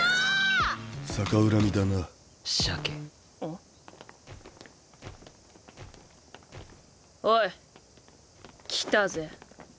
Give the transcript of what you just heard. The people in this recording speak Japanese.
ん？おい来たぜ。